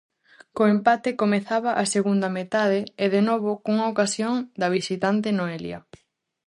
Co empate comezaba a segunda metade e de novo cunha ocasión da visitante Noelia.